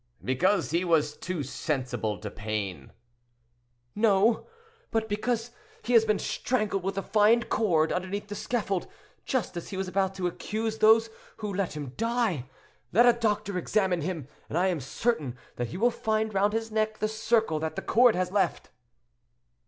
"Because he was too sensible to pain." "No; but because he has been strangled with a fine cord underneath the scaffold, just as he was about to accuse those who let him die. Let a doctor examine him, and I am certain that he will find round his neck the circle that the cord has left."